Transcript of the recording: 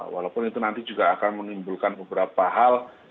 walaupun itu nanti juga akan menimbulkan beberapa hal